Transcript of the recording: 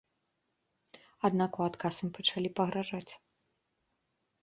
Аднак у адказ ім пачалі пагражаць.